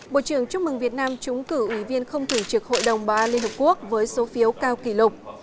bộ trưởng chúc mừng việt nam chúng cử ủy viên không thử trực hội đồng ba liên hợp quốc với số phiếu cao kỷ lục